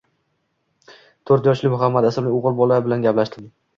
to'rt yoshli Muhammad ismli o‘g‘il bola bilan gaplashdim